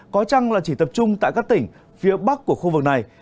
có chăng là chỉ tập trung tại các tỉnh phía bắc của khu vực này